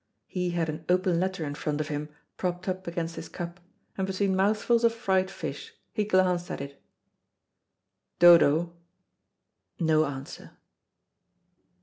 He had an open letter in front of him propped up against his cup, and between mouthfuls of fried fish he glanced at it. "Dodo." No answer.